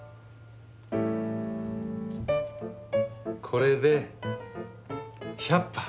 これで１００羽。